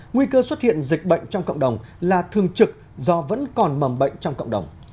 nguy cơ xuất hiện dịch bệnh trong cộng đồng là thường trực do vẫn còn mầm bệnh trong cộng đồng